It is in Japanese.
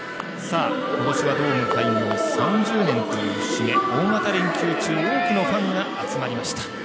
この試合、ドーム開業３０周年ということで大型連休中多くのファンが集まりました。